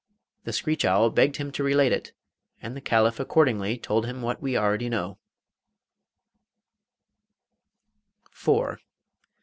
The screech owl begged him to relate it, and the Caliph accordingly told him what we already know.